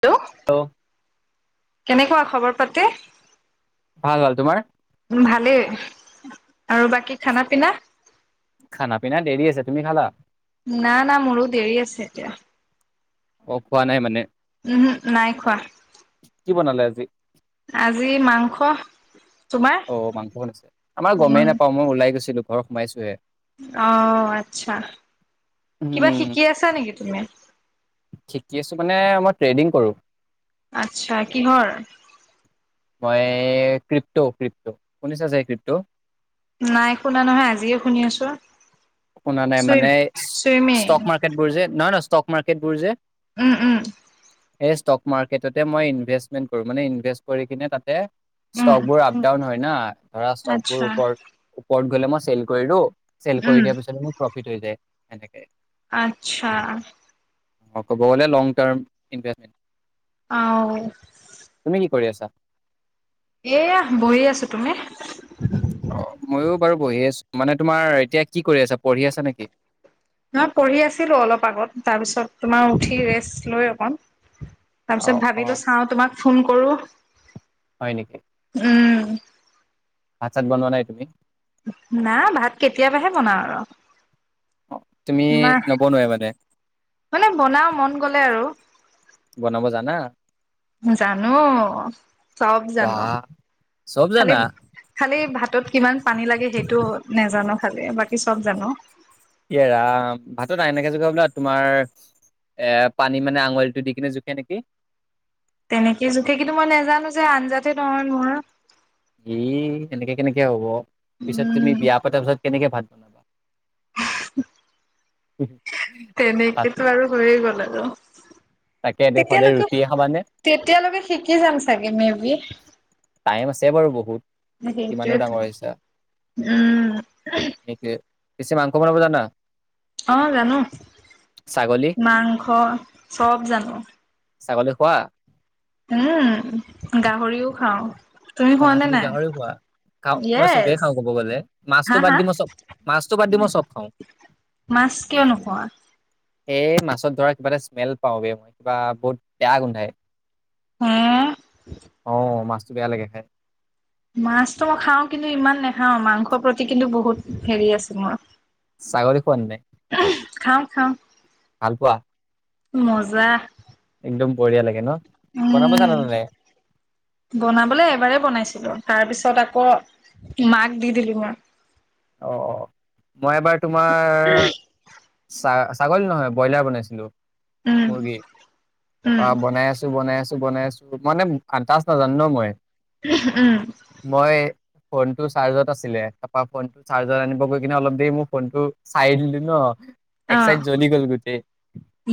Hello? Hello কেনেকুৱা খবৰ? পাতি? ভাল ভাল তোমাৰ? ভালেই। আৰু বাকী খানা-পিনা? খানা পিনা দেৰি আছে তুমি খালা না - না, মোৰো দেৰি আছে এতিয়া। অ' খোৱা নাই মানে? উম, নাই খোৱা। কি বনালে আজি? আজি মাংস। তোমাৰ? অ' মাংস বনাইছে। আমাৰ উম গমেই নাপাওঁ। মই ওলাই গৈছিলোঁ। ঘৰ সোমাইছোঁহে। অ' আচ্ছা। কিবা উম শিকি আছা নেকি তুমি? শিকি আছোঁ মানে মই ট্ৰেডিং কৰো। আচছা কিহৰ মই ক্ৰিপট' ক্ৰিপট' শুনিছা চাগে ক্ৰিপট' নাই শুনা নহয় আজিয়ে শুনি আছোঁ। শুনা নাই মানে ষ্টক মাৰ্কেট বোৰ যে নহয় নহয় ষ্টক মাৰ্কেট বোৰ যে উম উম এই ষ্টক মাৰ্কেটতে মই ইনভেষ্টমেণ্ট কৰো মানে ইনভেষ্ট কৰি কিনে তাতে উম ষ্টকবোৰ আপ ডাউন হয় ন ধৰা ষ্টকবোৰ আচ্ছা ওপৰ ৰত গ'লে মই চেল কৰিদিও উম কৰি দিয়াৰ পিছত মোক ফিত হৈ যাই হেনেকে আত্ছা অ' ক'ব গ'লে লং টাইম ইণ্টাৰ্ণ অ' তুমি কি কৰি আছা এয়া বহি আছো। তুমি? অ' মইও বাৰু বহি আছো মানে তোমাৰ এতিয়া কি কৰি আছা পঢ়ি আছা নেকি? নহয় পঢ়ি আছিলো অলপ আগত তাৰপিছত তোমাৰ উঠি ৰেষ্ট লৈ অকণ অ তাৰপিছত অ ভাবিলো চাওঁ তোমাক। ফোন কৰোঁ। হয় নেকি? উম ভাত চাত বনোৱা নাই তুমি? না ভাত কেতিয়াবাহে বনাওঁ অ তুমি আৰু মাহ নবনোৱাই মানে মানে বনাও মন গ'লে আৰু বনাব জানা জানো। চব জানো। বাহ চব খালি জানা। খালি ভাতত কিমান পানী লাগে সেইটো নাজানো খালি বাকী বাকী চব জানো এ ৰাম ভাতত এনেকে জোখা বোলা তোমাৰ এ পানী মানে আঙুলিটো দি কিনে জোখে নেকি তেনেকেই জোখে কিন্তু মই নেজানো যে আঞ্জাতে নহয় মোৰ এ এনেকে কেনেকে হ'ব? পিছত তুমি উম বিয়া পতাৰ পাছত কেনেকে ভাত ধনবাদ ভাত তেনেকেতো আৰু হৈয়ে গ'ল। আৰু তাকেটো সদায় তেতিয়ালৈকে ৰুটিয়ে খাবানে? তেতিয়ালৈকে শিকি যাম চাগে মে বি টাইম আছে বাৰু বহুত। কিমানো সেইটোৱেতো ডাঙৰ হৈছা? উম পিছে মাংস বনাব জানা? অ জানো ছাগলী মাংস চব জানো ছাগলী খোৱা? উম গাহৰিও খাওঁ খোৱা বাঁহ নে তুমি নাই গাহৰিও খোৱা খা মই চবেই য়েছ খাওঁ কব গলে হা মাছটো বাদ হা দি মই চব মাছটো বাদ দি মই চব খাওঁ মাছ কিয় নোখোৱা এই মাছত ধৰা কিবা এটা স্মেল পাও বে মই কিবা বহুত বেয়া গোন্ধাই হম অ মাছ বেয়া লাগে খাই মাছতো মই খাও কিন্তু ইমান নাখাও মাংসৰ প্ৰতি কিন্তু বহুত হেৰি আছে মোৰ ছাগলী খোৱা নে নাই? খাওঁ খাওঁ ভাল পোৱা? মজা একদম বঢ়িয়া লাগে ন‌? উম বনাবলে এবাৰ বনাইছিলো তাৰ পিছত পিছত আকৌ মাক দি দিলো মই অ অ মই এবাৰ তোমাৰ চা ছাগলী নহয় ব্ৰইলাৰ বনাইছিলোঁ উম মুৰ্গী উম তাৰপা বনাই আছো বনাই আছো বনাই আছো মানে আন্তাজ নাজানো ন মই উম ফোন টো চাৰ্জত আছিলে তাপা ফোনটো চাৰ্জাৰ আনিব গৈ কিনে অলপ দেৰি মই ফোনটো চাই দিলো ন এক আহ চাইড জ্বলি গ'ল গোটেই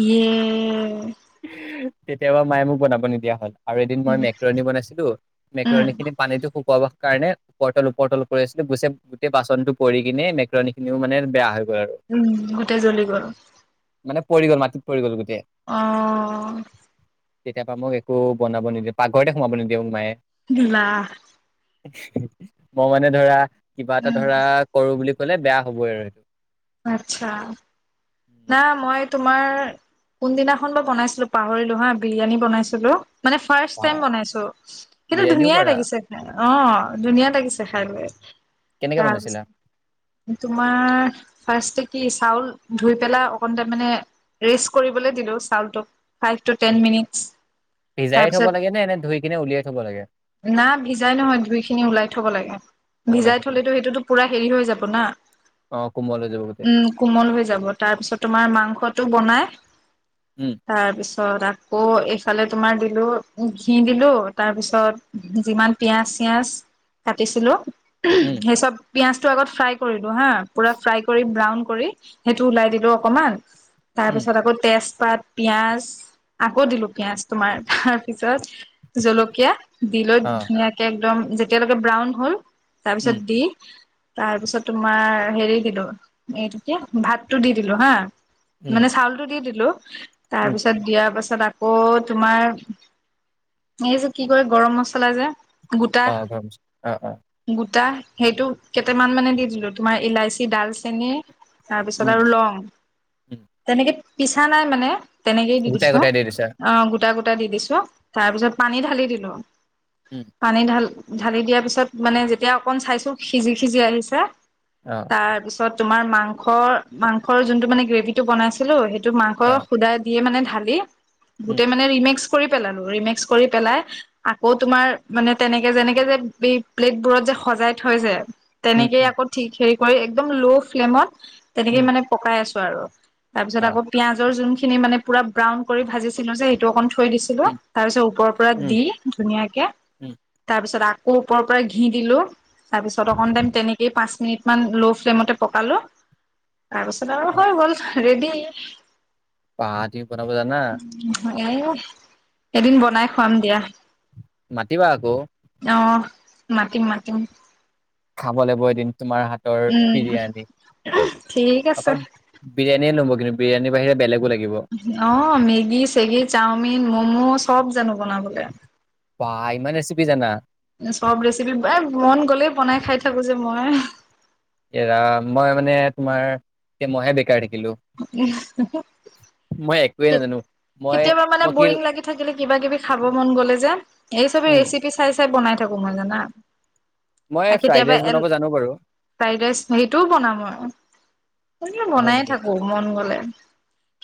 এ তেতিয়া পা মায়ে মোক বনাব নিদিয়া হ'ল আৰু এদিন মই উম মেকৰণী বনাইছিলো উম মেকৰণী খিনি পানীটো শুকাব কাৰণে উপৰ তল উপৰ তল কৰি আছিলো গু গোটেই বাচনটো পৰি কিনে মেকলনি খিনিও মানে বেয়া হ'ল উম গোটেই জ্বলি গল মানে পৰি গল মাটিত পৰি গ'ল গোটেই অ তেতিয়া বা মোক একো বনাব নিদিয়ে পাকঘৰতে সোমাব নিদিয়ে মায়ে দিলা মই মানে ধৰা কিবা এটা উম ধৰা কৰো বুলি কলে বেয়া হ'বই আৰু আ্ছা উম না মইতো তোমাৰ কোনদিনাখন বা বনাইছিলোঁ‌ পাহৰিলো হা বিৰিয়ানী বনাইছিলোঁ‌। মানে ফাৰ্ষট বা টাইম বনাইছো কিন্তু বিৰিয়ানীও ধুনীয়া পাৰা লাগিছে খাই অ' ধুনীয়া লাগিছে খাই লৈ কেনেকে বনাইছিলা? তাৰপিছত তোমাৰ ফাছতে কি চাউলধুই পেলাই অকণ ৰেচ কৰিব দিলোচাউলতো ফাইব টু টেনমিনিত ভিজাই থ'ব লাগে নে এনে ধুই কিনে উলিয়াই থ'ব লাগে? তাৰপিছত না ভিজাই নহয় ধুই খিনি ওলাই থব লাগে। অ' ওলাই ভিজাই থ'ব থলেতো লাগে। সেইটোতো পুৰা হেৰি হৈ যাব না অ' কোমল হৈ যাব গোটেই। উম কোমল হৈ যাব তাৰপিছত তোমাৰ মাংসটো বনাই উম, তাৰপিছত তাৰছত আকৌ এইফালে তোমাৰ দিলোঁ ঘি দিলো তাৰপিছত যিমান পিয়াঁজ চিয়াজ কাটিছিলোঁ উম, সেইচব পিয়ঁয়াজটো আগত ফ্ৰাই কৰিলো হা পুৰা ফ্ৰাই ব্ৰাউন কৰি সেইটো উলাই দিলোঁ‌ অকমান তাৰ উম, পিছত আকৌ তেজপাত পিয়াঁ‌জ আকৌ দিলো পিয়াঁ‌জ তোমাৰ তাৰ পিছত জলকীয়া দি লৈ অ', ধুনীয়াকে একদম যেতিয়ালৈকে ব্ৰাউন হ'ল তাৰপিছত উম, দি তাৰ পিছত তোমাৰ হেৰি কিন্তু এইটোকে ভাতটো দি দিলো হা। উম, মানে চাউলতটো দি দিলোঁ‌। উ [inaudible] তাৰ উম, পিছত দিয়াৰ পাছত তাৰিছত আকৌ তোমাৰ এই যে কি কৰে গৰম মছলা যে গোটা অ' গৰম মছলা। অ', অ', গোটা সেইটো কেইটামান মানে দি দিলোঁ‌। তোমাৰ ইলাচি ডাল তেনে তাৰপিছত উম, আৰু লং উম, তেনেকে পিছা নাই মানে তেনেকেই দি গোটাই দিছো গোটাই দি দিছা? অ' গোটা গো দি দিছো তাৰ পিছত পানী ঢালি দিলোঁ‌। উম, পানী ঢাল ঢালি দিয়াৰ পিছত মানে যেতিয়া অকন চাইছো সিজি সিজি আহিছে অ', তাৰপিছত তোমাৰ মাংস মাংসৰ যোনটো মানে গ্ৰেভি টো বনাইছিলোঁ‌ সেইটো টো মাকৰ অ', সুদা দিয়ে মানে থালি উম, গোটেই মানে ৰিমেক্স কৰি পেলালো, ৰিমেক্স কৰি পেলাই, আকৌ তোমাৰ মানে তেনেকে যেনেকে যে এই প্লেটবোৰত যে সজাই থৈ যে। উম, তেনেকেই উম, আকৌ ঠিক হেৰি কৰি একদম লোখ ফ্লেমত তেনেকে উম, মানে পকাই আছো। পাৰ তাৰপিছত অ', আকৌ পিয়াজৰ যোনখিন খিনি মানে পুৰা ব্ৰাউন কৰি ভাজিছিলোঁ যে এইটো অকণ থৈ দিছিলো উম, তাৰপিছত ওপৰৰ পৰা উম, দি ধুনীয়াকে, উম, তাৰপিছত আ আকৌ ওপৰৰ পৰা ঘি দিলো। তাৰ পিছত অকন টাইম তেনেক পাঁচ মিনিটমান ল' ফ্লেমতে পকালো তাৰপিছত আৰু হৈ গ'ল। ৰেডি। পাহাতি বনাব জানা? এহ এদিন বনাই খুৱাম দিয়া। মাতিবা আকৌ। অ' মাতিম মাতিম। খাব লাগিব এদিন। তোমাৰ হাতৰ উম বিৰিয়ানি। ঠিক আছে অকল বিৰিয়ানিয়ে [unintelligible] কিন্তু বিৰিয়ানিৰ বাহিৰে বেলেগো লাগিব অ' মেগী-চেগি, চাওমিন মম'চ [unintelligible] জানো বনাবলৈ বাহ ইমান ৰেচিপি জানা? চব ৰেচিপি এই মন গ'লেই বনাই খাই থাকো যে মই। এৰা মই মানে তোমাৰ এ মইহে বেকাৰ থাকিম। [unintelligible] মই একোৱে নাজানো মই কেতিয়াবা মানে মই কি বৰিং লাগি থাকিলে কিবাকিবি খাব মন গ'লে যে, এই ছবেই উম ৰেচিপি চাই চাই বনাই থাকো মই জানা? মই আৰু ফ্ৰাইড কেতিয়াবা ৰাইচ এল, বনাব জানো বাৰু ফ্ৰাইড ৰাইচ হেটোও বনাও মই। হয় [unintelligible] নেকি [unintelligible] মন গ'লে।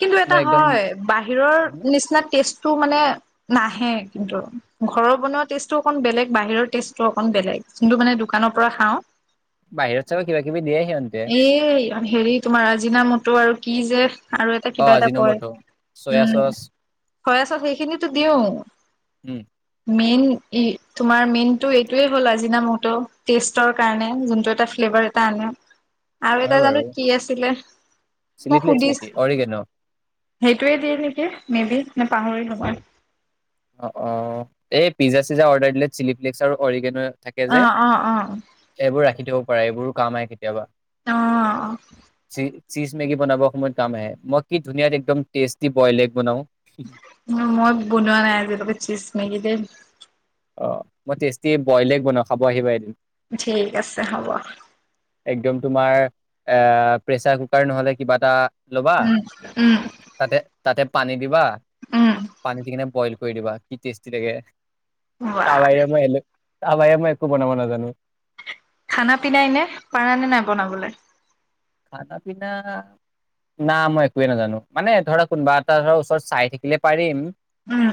কিন্তু মই এটা একদম হয় বাহিৰৰ নিচিনা টেষ্টটো টো মানে নাহে কিন্তু, ঘৰৰ বনোৱা টেষ্টটোও অকণ বেলেগ, বাহিৰৰ টেষ্টটো অকণ বেলেগ। কিন্তু মানে দোকানৰ পৰা খাওঁ বাহিৰত চাবা কিবাকিবি দিয়ে সিহঁতে এই হেৰি তোমাৰ আজিনা ম টো আৰু কি যে আৰু এটা অ কিবা এটা কয় আজিনমটো চয়া উম চচ চয়াচচ সেইখিনিটো দিওঁ উম মেইন তোমাৰ মেইনতটো এইটোয়ে হ'ল আজিনা মত টেষ্টৰ কাৰণে যোনটো এটা ফ্লেভাৰ এটা আনে আৰু হয় এটা জানো বাৰু কি আছিলে চিলি মই ফ্লেক্স সুধিছো নেকি অৰিগেন সেইটোৱে দিয়ে নেকি মে বি নে পাহৰিলো মই অ অ এই পিজ্জা চিজ্জা অৰ্ডাৰ দিলে চিলি ফ্লেক্স আৰু অৰিগেন থাকে যে অ', অ', অ'। এইবোৰ ৰাখি থব এইবোৰো কাম আহে কেতিয়াবা অ', [unintelligible] চীজ মেগী বনাবৰ সময়ত কাম আহে মই কি ধুনীয়াাত একদম টেষ্টি বইল এগ বনাও মই বনোৱা নাই চিজ মেগী অ মই টেষ্টি বইলে এগ বনওঁ খাব আহিবা এদিন ঠিক আছে হ'ব একদম তোমাৰ এ প্ৰেচাৰ কুকাৰ নহ'লে কিবা এটা ল'বা উম, উম, তাতে তাতে পানী দিবা উম, পানী দি কিনে বইল কৈ দিবা কি টেষ্টি লাগে ৱাহ। তাবাই মই এলে তা বাইে মই একো বনাব নাজানো খানা পিনাই নে পাৰা নে নাই বনাবলৈ খানা পিনা না মই একোৱে নাজানো মানে ধৰা কোনোবা এটা ধৰা ওচৰত চাই থাকিলে পাৰিম উম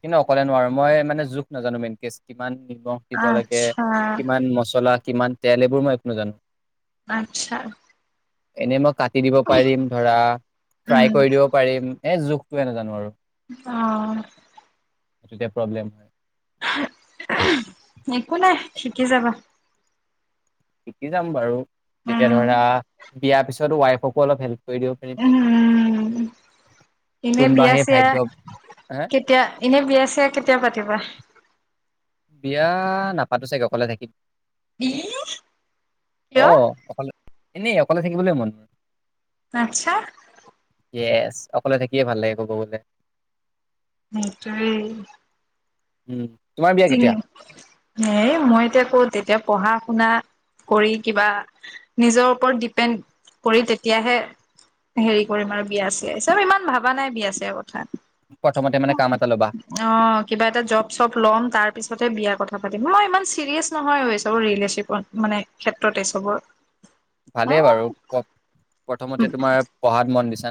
কিন্তু অকলে নোৱাৰো মই মানে জোখ নাজানো মেইন কে কিমান নিমখ দিব লাগে আচ্ছা, কিমান মচলা কিমান তেল এইবোৰ মই একো নোাজানো আটচ্চা এনে মই ক দিব পাৰিম ধৰা ফ্ৰাই উম। কৰি দিব পাৰিম এই জোখটোৱে নাজানো আৰু অ সেইটোকে প্ৰব্লেম হয় অহ অহা একো নাই শিকি যাবা শিকি যাম বাৰু তেতিয়া উম, ধৰা বিয়াৰ পিছত ৱাইফকো অলপ হেল্প কৰি দিব পাৰিম উম এনে কোনোবা বিয়া সেই চিয়া ভাগ্য হে কেতিয়া এনে বিয়া ছে কেতিয়া পাতিবা বিয়া নাপাতো চাগে অকলে থাকিম উ অ কিয় অকলে এনেই অকলে থাকিবলৈ মন হয় আচ্ছা ইয়েছ অকলে থাকিয়ে ভাল লাগে কব গলে সেইটোৱেই উম তোমাৰ বিয়া উম কেতিয়া মই এতিয়া ক তেতিয়া পঢ়া শুনা কৰি কিবা নিজৰ ওপৰত ডিপেণ্ড কৰি তেতিয়াহে হেৰি কৰিম আৰু বিয়া চিয়া চব ইমান ভাবা নাই বিয়া চিয়া আগত অ প্ৰথমতে মানে কাম এটা ল'বা কিবা এটা জব চব লম বিয়া কথা পাতিম মই ইমান চিৰিয়াছ নহয় চব ৰিলেশপত মানে ক্ষেত্ৰতে চবৰ ভালেই বাৰু ক প্ৰথমতে তোমাৰ পঢ়াত মন দিছে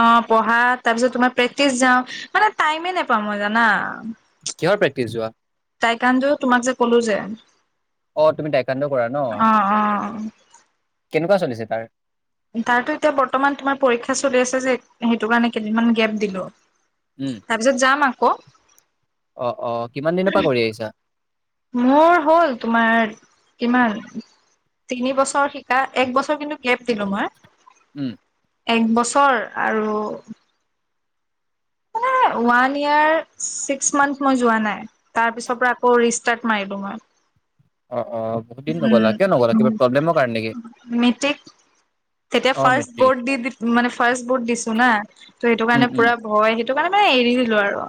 অ পঢ়া তাৰপিছত তোমাৰ প্ৰেক্টিচ যাওঁ মানে টাইমেই নোপাওঁ মই জানা কিহৰ প্ৰেক্টিচ যোৱা টাইকান্দো তোমাক যে কলো যে অ তুমি টাইকাণ্ড কৰা ন অ অ কেনেকুৱা চলিছে তাৰ তাৰতো এতিয়া বৰ্তমান তোমাৰ পৰীক্ষা চলি আছে যে সেইটো কাৰণে কেইদিনমান গেপ দিলো উম তাৰপিছত যাম আ ক অ অ কিমান দিনৰ পৰা কৰি আহিছা মোৰ হ'ল তোমাৰ কিমান তিনি বছৰ শিকা এক বছৰ কিন্তু গেপ দিলো মই উম এক বছৰ আৰু মানে ওৱান ইয়ৰ ছিক্স মান্থ মই যোৱা নাই, তাৰপিছৰ পৰা আকৌ ৰিষ্টাৰট মাৰিলোঁ মই। অ', অ বহুত দিন নগ'লা কিয় নগ'লা উম', কিবা প্ৰব্লেমৰ কাৰণে নেকি উম', মেট্ৰিক তেতিয়া অ ফাৰ্ষ মেট্ৰিক বৰ্ড দি মানে ফাৰ্ষ বৰ্ড দিছো না ত সেইটো উম, কাৰণে উম, পুৰা ভয় টো কাৰানে মানে এৰি দিলো আৰু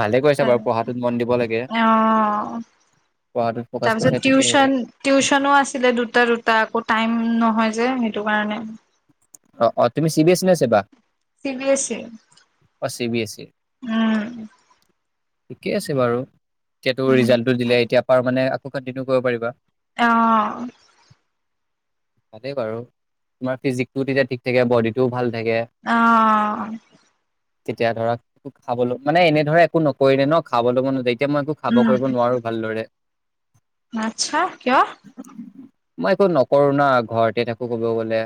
ভালে কৰিছা বাৰু পঢ়াটোত মন দিব লাগে। অ পঢ়াটোত ফ'কাচ কৰিছা তাৰপিছত ঠিকে টিউচন-টিউচনো আছিলে দুটা-দুটা আকৌ টাইম নহয় যে সেইটো কাৰণে। অ', অ', তুমি চিবিএছ নে ছেবা? চিবিএছই। অ', চিবিএছই। ঠিকেই আছে বাৰু। এতিয়াতো উম ৰিজাল্টটো দিলে এতিয়া পাৰ মানে কণ্টিনিউ কৰিব পাৰিবা। অ'। তাতে বাৰু। তোমাৰ ফিজিকটো তেতিয়া ঠিক থাকে বডিটোও ভাল থাকে আহ তেতিয়া ধৰা খাবলৈ, মানে এনে ধৰা একো নকৰিলে ন খাবলৈ মন নাযায়। এতিয়া মই একো খাব উম কৰিব নোৱাৰো ভালদৰে। আচ্ছা কিয় মই একো নকৰো ন? ঘৰতে থাকো ক'ব গ'লে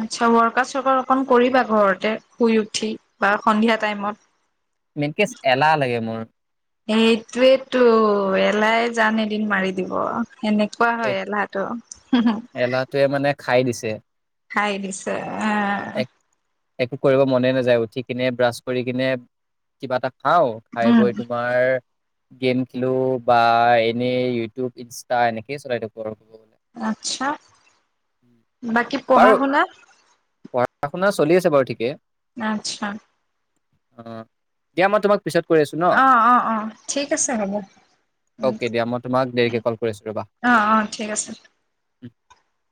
আচ্ছা ৱৰ্কাৰ-চৰ্কাৰ অকন কৰিবা ঘৰতে, শুই উঠি বা সন্ধিয়া মেইনকে টাইমত। এলাহ লাগে মোৰ। সেইটোৱেইতো এলাই জান এদিন মাৰি দিব। হেনেকুৱা এই হয় এলাহটো। এলাহটোৱে মানে খাই দিছে। খাই দিছে আহ এক একো কৰিব মনে নাযায় উঠি কিনে ব্ৰাছ কৰি কিনে, কিবা এটা খাও। উম খাই-বৈ তোমাৰ গেম খেলো বা এনেই ইউটিউব-ইনষ্টা এনেকেই চলাই থাকো আৰু। ক'ব গ'লে। আচ্ছা। বাকী পঢ়া-শুনা? পঢ়া-শুনা চলি আছে বাৰু ঠিকে। আচ্ছা। অ' দিয়া মই তোমাক পিছত কৰি আছো ন অ' অ' অ', ঠিক আছে হ'ব। ও অকে দিয়া মই তোমাক ও, দেৰিকে কল কৰি আছো ৰ'বা। অ' অ' ঠিক আছে। [unintelligible]